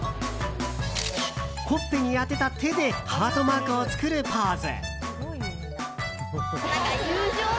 ほっぺに当てた手でハートマークを作るポーズ。